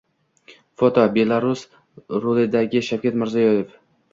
Foto: “Belaz” rulidagi Shavkat Mirziyoyev